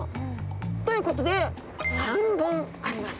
ということで３本あります。